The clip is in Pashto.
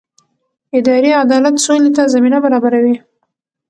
اداري عدالت سولې ته زمینه برابروي